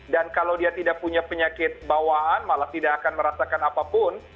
dan kalau dia tidak punya penyakit bawaan malah tidak akan merasakan apapun